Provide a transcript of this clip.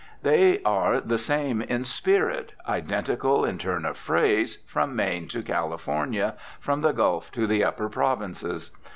They are the same in spirit, identical in turn of phrase, from Maine to California, from the Gulf to the Upper Provinces.